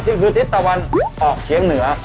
ก็คือทิศตะวันออกเฉียงเหนือ